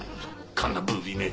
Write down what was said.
こんなブービー